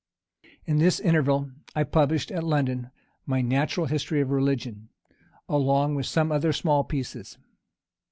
In this interval, I published, at London, my Natural History of Religion, along with some other small pieces.